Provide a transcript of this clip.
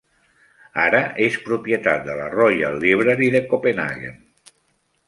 Ara és propietat de la Royal Library de Copenhagen.